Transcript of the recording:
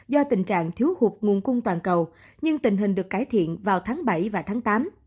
do tình trạng thiếu hụt nguồn cung toàn cầu nhưng tình hình được cải thiện vào tháng bảy và tháng tám